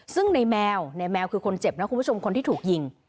ซึ่งในแมวในแมวคือคนเจ็บนะคุณผู้ชมคนที่ถูกยิง